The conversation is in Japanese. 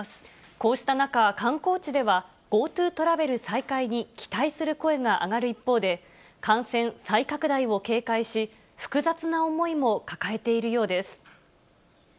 こうした中、観光地では、ＧｏＴｏトラベル再開に期待する声が上がる一方で、感染再拡大を警戒し、複雑な思いも抱えているようです。